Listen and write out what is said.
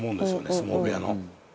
相撲部屋の。